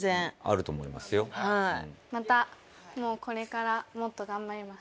またもうこれからもっと頑張ります。